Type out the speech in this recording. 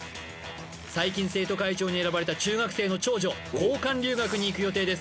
最近生徒会長に選ばれた中学生の長女交換留学に行く予定です